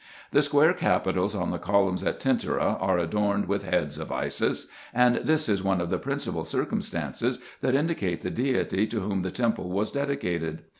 The square capitals on the columns at Tentyra are adorned with heads of Isis ; and this is one of the principal circumstances, that indicate the deity to whom the temple was dedicated.